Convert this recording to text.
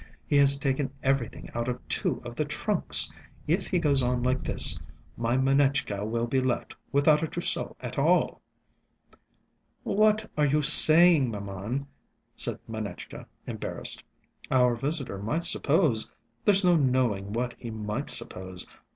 He has taken everything out of two of the trunks! If he goes on like this, my Manetchka will be left without a trousseau at all." "What are you saying, mamam?" said Manetchka, embarrassed. "Our visitor might suppose ... there's no knowing what he might suppose